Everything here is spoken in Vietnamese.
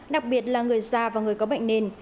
đặc biệt là người già và người có bệnh nền